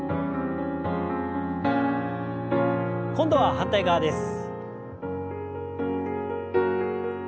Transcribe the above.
今度は反対側です。